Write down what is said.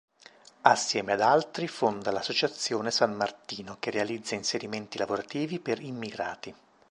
Assieme ad altri, fonda l'associazione "San Martino", che realizza inserimenti lavorativi per immigrati.